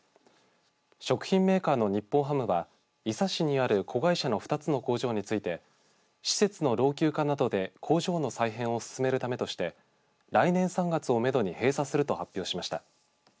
食品メーカーの日本ハムは伊佐市にある子会社の２つの工場について施設の老朽化などで工場の再編を進めるためとして来年３月をめどに閉鎖すると発表しました。